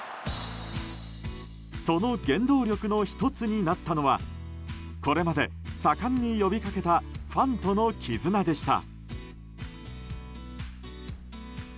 その原動力の１つになったのはこれまで盛んに呼びかけたファンとの絆でした。